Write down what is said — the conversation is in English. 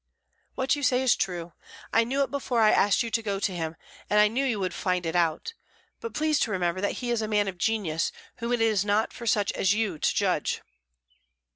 "What you say is true; I knew it before I asked you to go to him, and I knew you would find it out; but please to remember that he is a man of genius, whom it is not for such as you to judge."